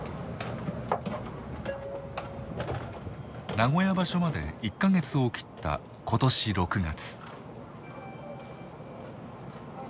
名古屋場所まで１か月を切った今年６月。